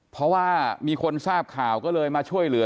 เพราะว่ามีคนทราบข่าวก็เลยมาช่วยเหลือ